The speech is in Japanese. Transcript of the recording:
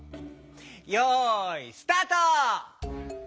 よいスタート！